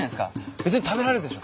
別に食べられるでしょ。